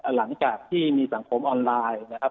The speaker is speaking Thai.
หลังจากที่มีสังคมออนไลน์นะครับ